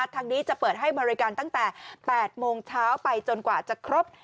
ทางนี้จะเปิดให้บริการตั้งแต่๘โมงเช้าไปจนกว่าจะครบ